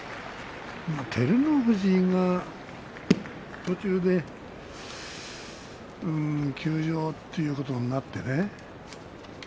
照ノ富士が途中で休場ということになってね